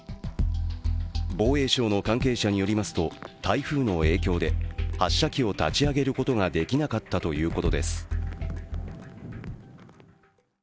防衛省の関係者によりますと台風の影響で発射機を立ち上げることができなかったということです。